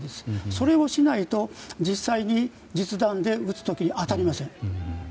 それをしないと実際に、実弾で撃つ時に当たりません。